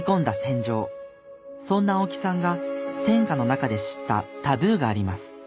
そんな青木さんが戦火の中で知ったタブーがあります